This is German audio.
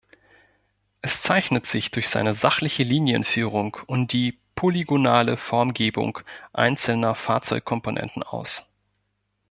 Es zeichnet sich durch seine sachliche Linienführung und die polygonale Formgebung einzelner Fahrzeugkomponenten aus.